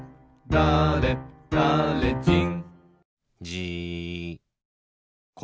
だれだれじん。